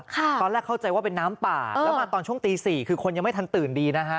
ตอนแรกเข้าใจว่าเป็นน้ำป่าแล้วมาตอนช่วงตี๔คือคนยังไม่ทันตื่นดีนะฮะ